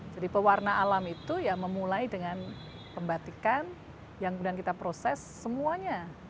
jadi pewarna alami itu memulai dengan pembatikan yang kita proses semuanya